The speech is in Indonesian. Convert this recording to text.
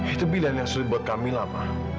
itu pilihan yang sulit buat kamila ma